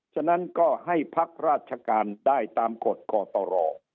ฉะนั้นก็ให้พักราชการได้ตามกฎกตร